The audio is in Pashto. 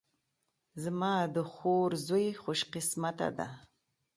زما د خور زوی خوش قسمته ده